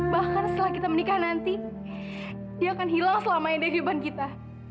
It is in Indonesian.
bahkan setelah kita menikah nanti dia akan hilang selama ada di lubang kita